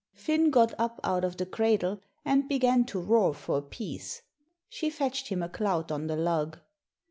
Finn got up out of the cradle, and began to roar for a piece. She fetched him a clout on the lug.